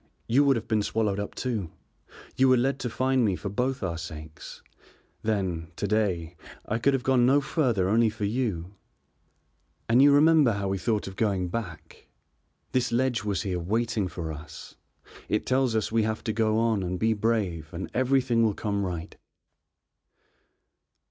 You would have been swallowed up too; you were led to find me for both our sakes. Then, to day, I could have gone no further only for you, and you remember how we thought of going back? This ledge was here waiting for us. It tells us we have to go on and be brave and everything will come right."